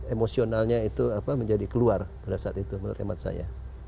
emosionalnya itu menjadi keluar pada saat itu menurut hemat saya